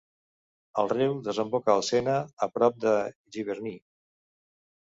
El riu desemboca al Sena, a prop de Giverny.